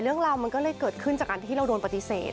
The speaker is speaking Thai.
เรื่องราวมันก็เลยเกิดขึ้นจากการที่เราโดนปฏิเสธ